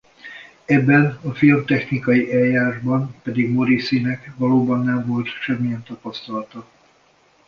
Ebben a filmtechnikai eljárásban pedig Morrissey-nek valóban nem volt semmilyen tapasztalata.